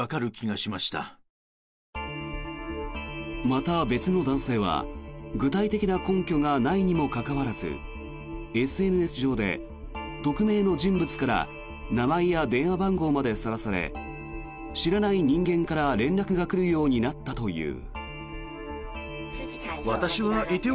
また、別の男性は具体的な根拠がないにもかかわらずＳＮＳ上で匿名の人物から名前や電話番号までさらされ知らない人間から連絡が来るようになったという。